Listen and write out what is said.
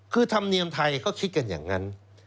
คือธรรมเนียมไทยเขาคิดกันอย่างนั้น